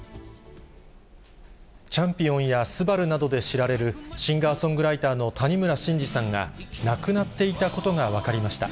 チャンピオンや昴などで知られるシンガーソングライターの谷村新司さんが、亡くなっていたことが分かりました。